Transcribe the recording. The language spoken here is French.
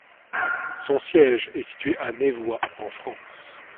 Son siège est située à Nevoy, en France.